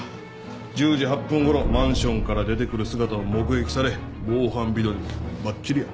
１０時８分ごろマンションから出てくる姿を目撃され防犯ビデオにもばっちりや。